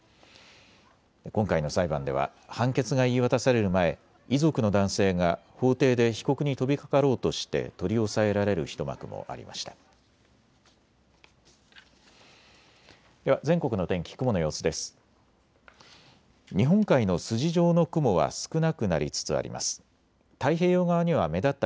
今回の裁判では判決が言い渡される前、遺族の男性が法廷で被告に飛びかかろうとして取り押さえられる一幕もありました。